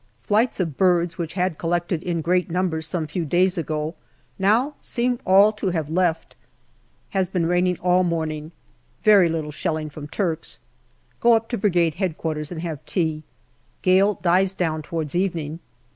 Flights of birds, which had collected in great numbers some few days ago, now seem all to have left. Has been raining all morning. Very little shelling from Turks. Go up to Brigade H.Q. and have tea. Gale dies down towards evening.